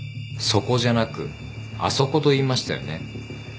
「そこ」じゃなく「あそこ」と言いましたよね。